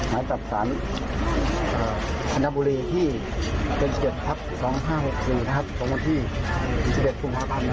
และขื่นใจเจ้าพนักงานให้เลาะเว้นการปฏิบัติหน้าที่